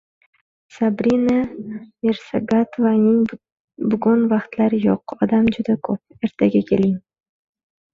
Sabrina Mirsagatovnaning bugun vaqtlari yo`q, odam juda ko`p, ertaga keling